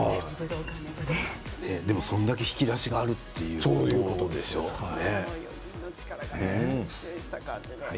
でもそれだけ引き出しがあるってことですよね。